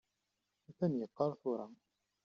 Atan yeqqaṛ tura.